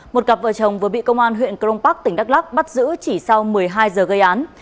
một cặp vợ chồng vừa bị công an huyện crong park tỉnh đắk lắc bắt giữ chỉ sau một mươi hai giờ gây án